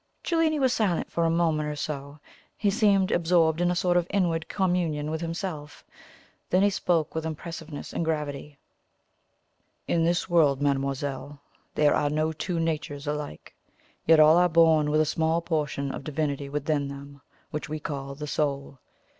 Cellini was silent for a minute or so; he seemed absorbed in a sort of inward communion with himself. Then he spoke with impressiveness and gravity: "In this world, mademoiselle, there are no two natures alike, yet all are born with a small portion of Divinity within them, which we call the Soul.